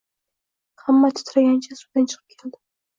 Hamma titragancha suvdan chiqib keldi